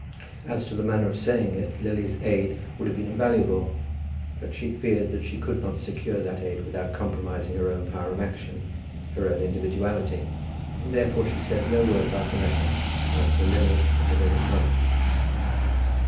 As to the manner of saying it, Lily's aid would have been invaluable; but she feared that she could not secure that aid without compromising her own power of action, her own individuality; and therefore she said no word about the letter either to Lily or to Lily's mother.